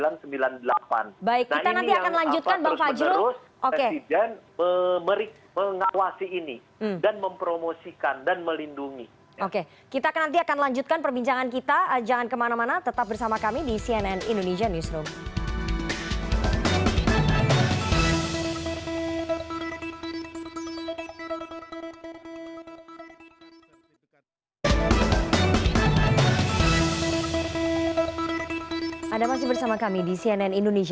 nah ini yang apa terus menerus presiden mengatuasi ini dan mempromosikan dan melindungi